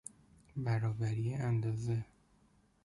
برابری اندازه